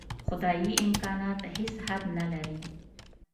خدايي امکانات هېڅ حد نه لري.